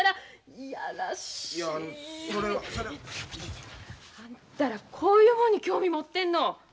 いやそれは。あんたらこういうもんに興味持ってんの？